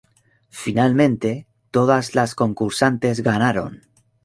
Finalmente, todas las concursantes ganaron.